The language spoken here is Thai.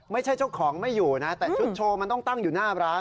เจ้าของไม่อยู่นะแต่ชุดโชว์มันต้องตั้งอยู่หน้าร้าน